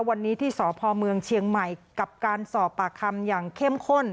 วันนี้ที่สพเมืองเชียงใหม่กับการสอบปากคำอย่างเข้มข้น